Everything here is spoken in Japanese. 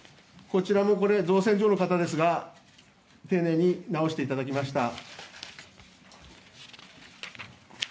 こちらも、造船所の方ですが丁寧に直していただきました。